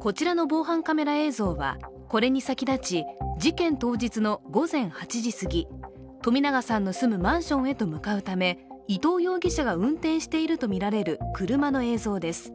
こちらの防犯カメラ映像はこれに先立ち事件当日の午前８時過ぎ、冨永さんの住むマンションへと向かうため伊藤容疑者が運転しているとみられる車の映像です。